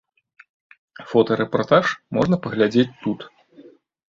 Фотарэпартаж можна паглядзець тут.